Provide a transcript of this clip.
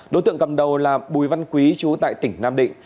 đối tượng cầm đầu là bùi văn quý chú tại tỉnh nam định